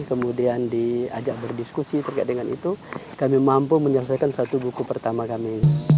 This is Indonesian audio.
kemudian diajak berdiskusi terkait dengan itu kami mampu menyelesaikan satu buku pertama kami